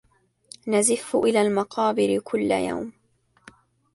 نزف إلى المقابر كل يوم